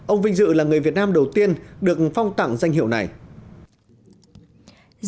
ông vinh dự là người việt nam đầu tiên được phong tặng danh hiệu viện sĩ